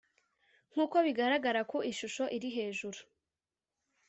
nkuko bigaragara ku ishusho iri hejuru .